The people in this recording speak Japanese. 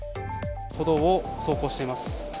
歩道を走行しています。